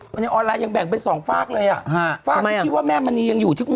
วันนี้ออนไลน์ยังแบ่งเป็นสองฝากเลยอ่ะฮะฝากที่คิดว่าแม่มณียังอยู่ที่คุณ